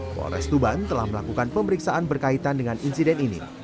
polres tuban telah melakukan pemeriksaan berkaitan dengan insiden ini